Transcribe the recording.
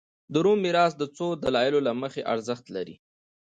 د روم میراث د څو دلایلو له مخې ارزښت لري